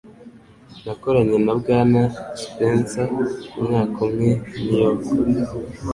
Nakoranye na Bwana Spencer umwaka umwe i New York.